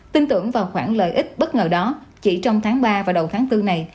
tin tưởng vào khoản lợi ích bất ngờ đó chỉ trong tháng ba và đầu tháng bốn này